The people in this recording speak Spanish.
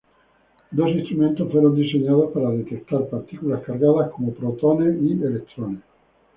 Dos instrumentos fueron diseñados para detectar partículas cargadas como protones y electrones.